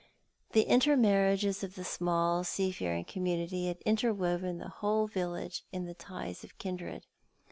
The intermarriages of the small seafaring com munity had interwovea the whole village in the ties of kiudred.